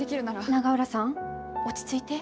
永浦さん落ち着いて。